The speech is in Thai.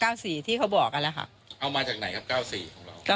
เก้าสี่ที่เขาบอกอ่ะแหละค่ะเอามาจากไหนครับเก้าสี่ของเรา